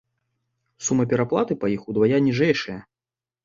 Сума пераплаты па іх удвая ніжэйшая.